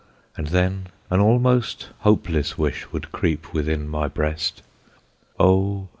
And then an almost hopeless wish Would creep within my breast, Oh!